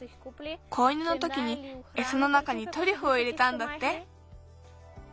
子犬のときにエサの中にトリュフを入れたんだって。